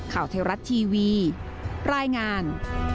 ข่าวไทยรัฐทีวีรายงาน